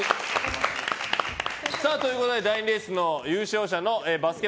第２レースの優勝者のバスケ